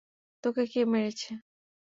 তোকে কে মেরেছে?